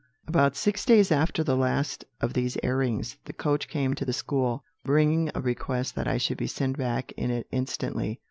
"About six days after the last of these airings, the coach came to the school, bringing a request that I should be sent back in it instantly.